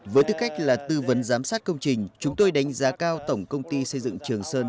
với tư cách là tư vấn giám sát công trình chúng tôi đánh giá cao tổng công ty xây dựng trường sơn